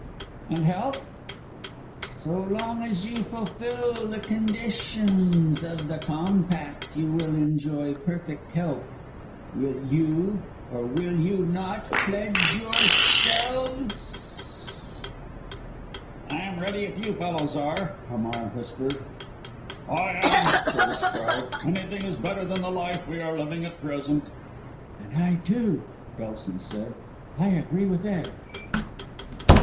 "And health?" "So long as you fulfil the conditions of the compact you will enjoy perfect health. Will you, or will you not, pledge yourselves?" "I am ready if you fellows are," Hamar whispered. "I am!" Curtis cried. "Anything is better than the life we are living at present." "And I, too," Kelson said. "I agree with Ed."